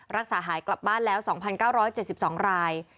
รักษาหายกลับบ้านแล้ว๒๙๗๒ราย